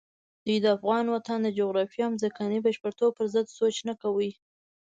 دوی د افغان وطن د جغرافیې او ځمکني بشپړتوب پرضد سوچ نه کوي.